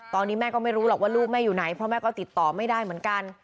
ตอนนี้แม่ก็ไม่รู้หรอกว่าลูกแม่อยู่ไหนเพราะแม่ก็ติดต่อไม่ได้เหมือนกัน